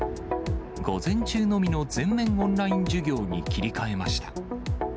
午前中のみの全面オンライン授業に切り替えました。